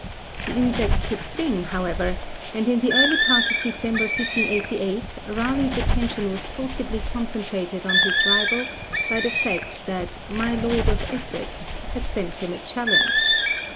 The insect could sting, however, and in the early part of December 1588, Raleigh's attention was forcibly concentrated on his rival by the fact that 'my Lord of Essex' had sent him a challenge.